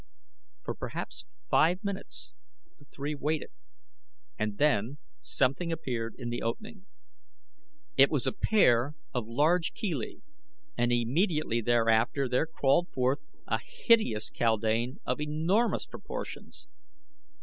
For perhaps five minutes the three waited and then something appeared in the opening. It was a pair of large chelae and immediately thereafter there crawled forth a hideous kaldane of enormous proportions.